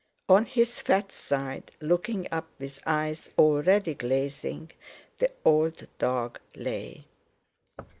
On his fat side, looking up with eyes already glazing, the old dog lay.